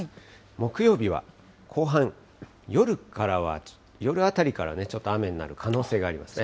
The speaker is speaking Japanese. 木曜日は後半、夜からは、夜あたりからちょっと雨になる可能性がありますね。